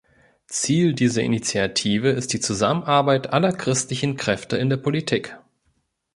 Ziel dieser Initiative ist die Zusammenarbeit aller christlichen Kräfte in der Politik.